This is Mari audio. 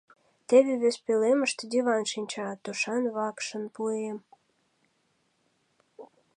Теве вес пӧлемыште диван шинча, тушан вакшын пуэм.